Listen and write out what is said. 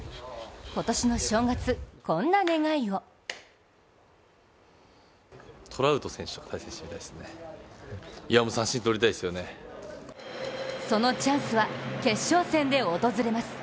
今年の正月、こんな願いをそのチャンスは決勝戦で訪れます。